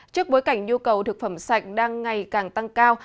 trước bối cảnh nhu cầu thực phẩm sạch đang ngày càng tăng cao